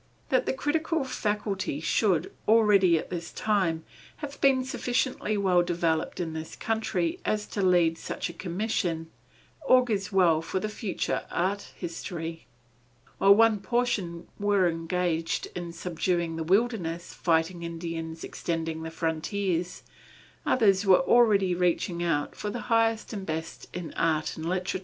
That the critical faculty should, already at that time, have been sufficiently well developed in this country as to lead to such a commission, augurs well for its future art history. While one portion were engaged in subduing the wilderness, fighting Indians, extending the frontier, others were already reaching out for the highest and best in art and literature.